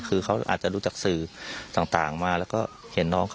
คือเขาอาจจะรู้จักสื่อต่างมาแล้วก็เห็นน้องเขา